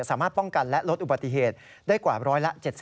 สามารถป้องกันและลดอุบัติเหตุได้กว่าร้อยละ๗๐